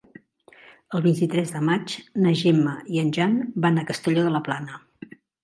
El vint-i-tres de maig na Gemma i en Jan van a Castelló de la Plana.